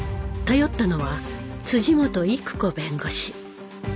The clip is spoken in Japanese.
頼ったのは本育子弁護士。